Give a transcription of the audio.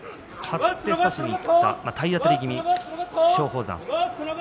張って差しにいった体当たり気味の松鳳山。